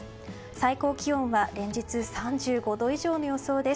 最高気温は連日３５度以上の予想です。